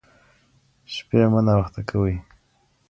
شپې مه ناوخته کوئ.